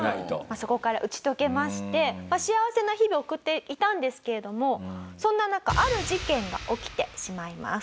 そこから打ち解けまして幸せな日々を送っていたんですけれどもそんな中ある事件が起きてしまいます。